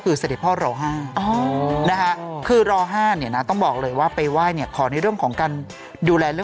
คือองค์นี้จะเป็นองค์หลักของคนวันเสาร์